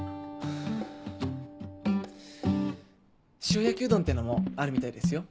塩焼きうどんっていうのもあるみたいですよ。